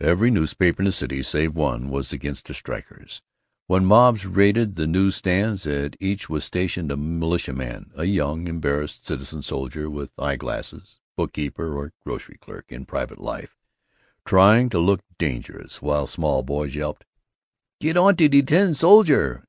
Every newspaper in the city, save one, was against the strikers. When mobs raided the news stands, at each was stationed a militiaman, a young, embarrassed citizen soldier with eye glasses, bookkeeper or grocery clerk in private life, trying to look dangerous while small boys yelped, "Get onto de tin soldier!"